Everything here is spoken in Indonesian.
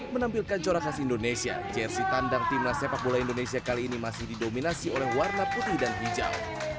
menampilkan corak khas indonesia jersi tandang timnas sepak bola indonesia kali ini masih didominasi oleh warna putih dan hijau